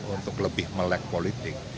untuk lebih melek politik